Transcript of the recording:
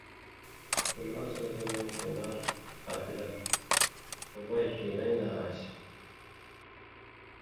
رسول اللہ ﷺ ایں کَنار (قافلہ) قُبائے ڇېلَیں لا آن٘سیۡ